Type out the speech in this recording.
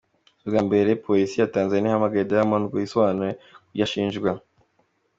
Si ubwa mbere Polisi ya Tanzania ihamagaje Diamond ngo yisobanure ku byo ashinjwa.